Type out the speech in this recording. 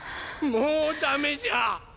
もおダメじゃあ！